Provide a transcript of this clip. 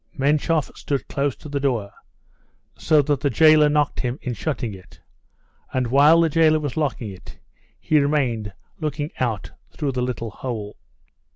Menshoff stood close to the door, so that the jailer knocked him in shutting it, and while the jailer was locking it he remained looking out through the little hole.